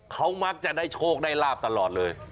เขามักจะได้โชคได้ลาบตลอดเลย